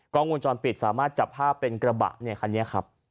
กล้องวงจรปิดสามารถจับผ้าเป็นกระบะขันนี้ครับ